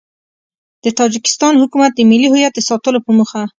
د تاجیکستان حکومت د ملي هویت د ساتلو په موخه